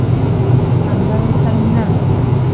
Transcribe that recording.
همدا یې ترمینل و.